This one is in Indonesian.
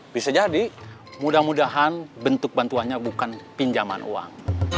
bisa jadi mudah mudahan bentuk bantuannya bukan pinjaman uang